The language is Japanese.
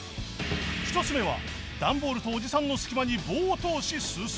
１つ目は段ボールとおじさんの隙間に棒を通し進む